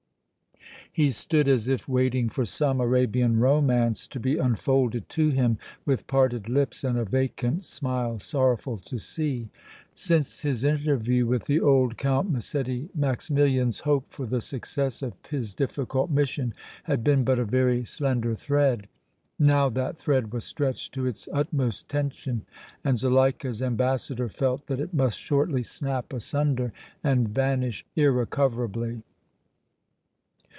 He stood as if waiting for some Arabian romance to be unfolded to him, with parted lips and a vacant smile sorrowful to see. Since his interview with the old Count Massetti Maximilian's hope for the success of his difficult mission had been but a very slender thread. Now that thread was stretched to its utmost tension, and Zuleika's ambassador felt that it must shortly snap asunder and vanish irrecoverably.